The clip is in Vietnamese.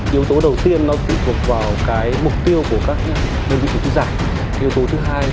yếu tố đầu tiên tụ thuộc vào mục tiêu của các đơn vị thủ tư giải